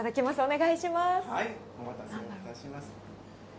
はい、お待たせをいたします。